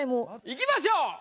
いきましょう。